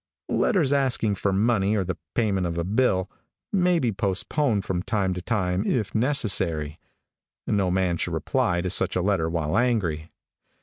Letters asking for money or the payment of a bill, may be postponed from time to time if necessary. No man should reply to such a letter while angry.